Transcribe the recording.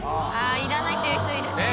いらないっていう人いるね。